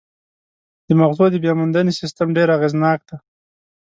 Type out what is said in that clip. د مغزو د بیاموندنې سیستم ډېر اغېزناک دی.